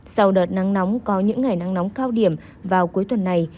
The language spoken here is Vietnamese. sau đợt nắng nóng có những ngày nắng nóng cao điểm vào cuối tuần này